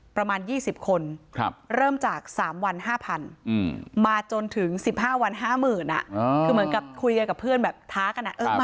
ประมาณ๒๐คนเริ่มจาก๓วัน๕๐๐๐มาจนถึง๑๕วัน๕๐๐๐คือเหมือนกับคุยกันกับเพื่อนแบบท้ากัน